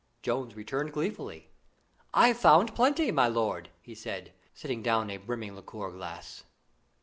Jones returned gleefully. "I've found plenty, my lord," he said, setting down a brimming liqueur glass.